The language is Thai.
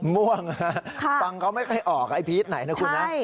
ม่วงฮะฟังเขาไม่ค่อยออกไอ้พีชไหนนะคุณนะ